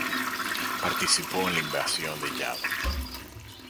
Participó en la invasión de Java.